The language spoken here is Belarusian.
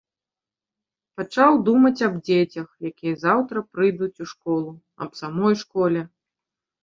Пачаў думаць аб дзецях, якія заўтра прыйдуць у школу, аб самой школе.